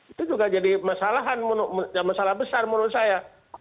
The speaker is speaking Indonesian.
itu juga jadi masalah besar menurut saya